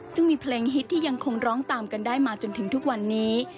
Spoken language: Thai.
ซึ่งมีเพลงฮิตที่ยังคงร้องตามกันได้มาจนถึงทุกวันนี้